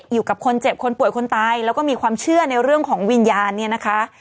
อยู่กับคนเจ็บคนป่วยคนตายแล้วก็มีความเชื่อในเรื่องของวิญญาณเนี่ยนะคะ